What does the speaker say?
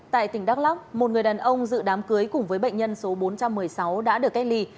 tại tỉnh đắk lắc một người đàn ông dự đám cưới cùng với bệnh nhân số bốn trăm một mươi sáu đã được cách ly